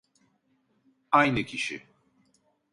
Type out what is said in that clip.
Aynı kişi